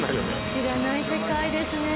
知らない世界ですね。